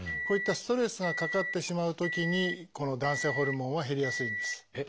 こういったストレスがかかってしまうときにこの男性ホルモンは減りやすいんです。